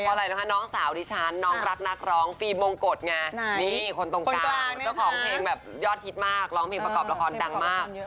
เพราะอะไรนะคะน้องสาวดิฉันน้องรักนักร้องฟิล์มมงกฎไงนี่คนตรงกลางเจ้าของเพลงแบบยอดฮิตมากร้องเพลงประกอบละครดังมาก